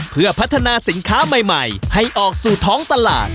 เพื่อพัฒนาสินค้าใหม่ให้ออกสู่ท้องตลาด